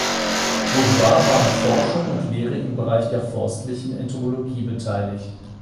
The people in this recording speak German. Bourgeois war an Forschung und Lehre im Bereich der forstlichen Entomologie beteiligt.